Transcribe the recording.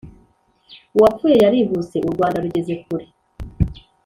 Uwapfuye yarihuse ! u Rwanda rugeze kure